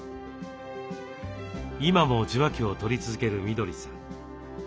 今も受話器を取り続けるみどりさん。